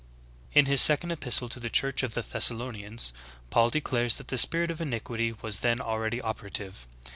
6. In his second epistle to the "church of the Thessalon ians" Paul declares that the spirit of iniquity was then already operative.